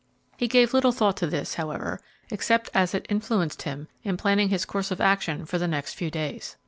He gave little thought to this, however, except as it influenced him in planning his course of action for the next few days.